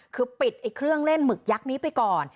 คือปิดเครื่องเล่นหมึกยักษ์นี้ไปก่อน